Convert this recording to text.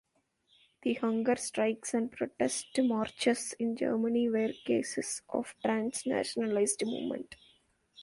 The hunger strikes and protest marches in Germany were cases of trans nationalized movement.